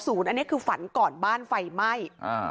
อันนี้คือฝันก่อนบ้านไฟไหม้